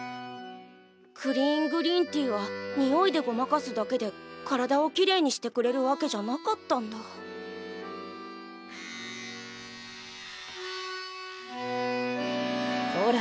クリーングリーンティはにおいでごまかすだけで体をきれいにしてくれるわけじゃなかったんだこら